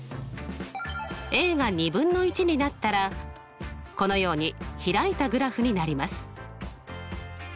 がになったらこのように開いたグラフになります。